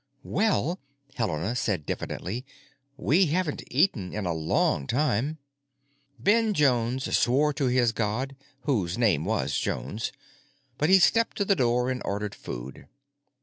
"Well," Helena said diffidently, "we haven't eaten in a long time——" Ben Jones swore to his god, whose name was Jones, but he stepped to the door and ordered food.